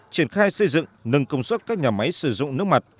triển khai xây dựng nâng công suất các nhà máy sử dụng nước mặt